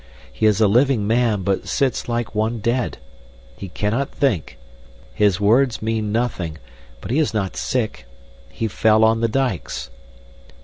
He is a living man but sits like one dead. He cannot think. His words mean nothing, but he is not sick. He fell on the dikes."